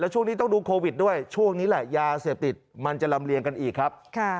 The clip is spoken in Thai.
ช่วงนี้ต้องดูโควิดด้วยช่วงนี้แหละยาเสพติดมันจะลำเลียงกันอีกครับ